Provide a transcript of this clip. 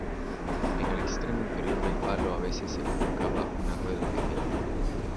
En el extremo inferior del palo a veces se colocaba una rueda pequeña.